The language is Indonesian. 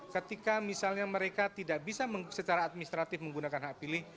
ketika misalnya mereka tidak bisa secara administratif menggunakan hak pilih